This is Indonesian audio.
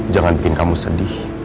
jangan bikin kamu sedih